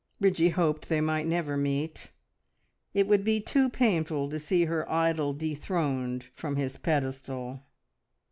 Bridgie hoped they might never meet; it would be too painful to see her idol dethroned from his pedestal.